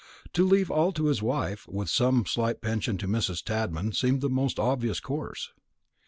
To leave all to his wife, with some slight pension to Mrs. Tadman, seemed the most obvious course.